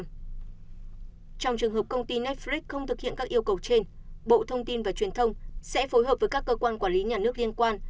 trong trường hợp công ty netflix không thực hiện các yêu cầu trên bộ thông tin và truyền thông sẽ phối hợp với các cơ quan quản lý nhà nước liên quan